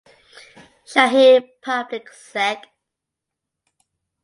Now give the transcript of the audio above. Shaheen Public Sec.